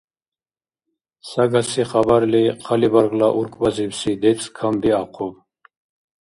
Сагаси хабарли хъалибаргла уркӀбазибси децӀ камбиахъуб.